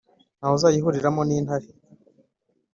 Nta we uzayihuriramo n’intare,